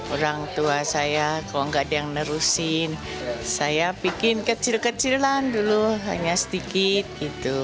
orang tua saya kalau nggak ada yang nerusin saya bikin kecil kecilan dulu hanya sedikit gitu